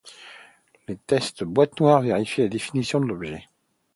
Les tests boîte noire vérifient la définition de l'objet.